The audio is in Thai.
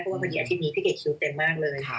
เพราะว่าพอดีอาทิตย์นี้พี่เกะคิวเต็มมากเลย